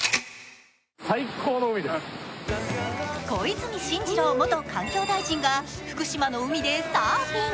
小泉進次郎元環境大臣が福島の海でサーフィン。